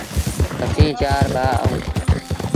اسيٚݩ چآر ڀآ اَهوݩ،